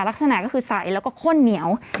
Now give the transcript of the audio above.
ลักษณะก็คือใสแล้วก็ข้นเหนียว